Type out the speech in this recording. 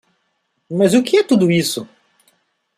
Mas o que é tudo isso?